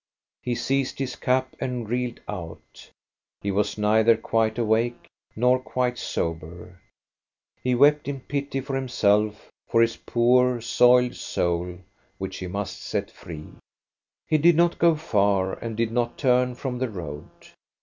He seized his cap and reeled out. He was neither quite awake nor quite sober. He wept in pity for himself, for his poor, soiled soul, which he must set free. He did not go far, and did not turn from the road.